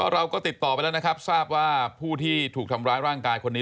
เราก็ติดต่อไปแล้วนะครับทราบว่าผู้ที่ถูกทำร้ายร่างกายคนนี้